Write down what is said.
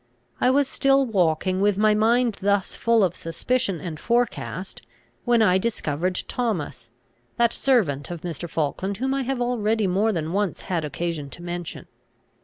I was still walking with my mind thus full of suspicion and forecast, when I discovered Thomas, that servant of Mr. Falkland whom I have already more than once had occasion to mention.